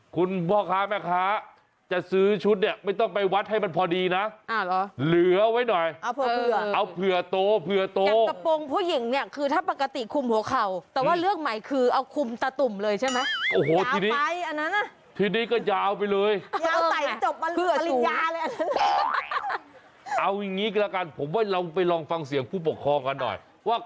คุณพ่อค้าแม่ค้าจะซื้อชุดนี่ไม่ต้องไปวัดให้มันพอดีนะ